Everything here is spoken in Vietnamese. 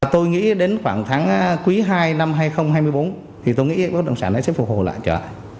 tôi nghĩ đến khoảng tháng cuối hai năm hai nghìn hai mươi bốn tôi nghĩ bất động sản sẽ phục hồi lại trở lại